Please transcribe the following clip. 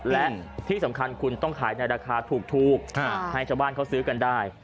และที่สำคัญคุณต้องขายในราคาถูกให้ชาวบ้านเขาซื้อกันได้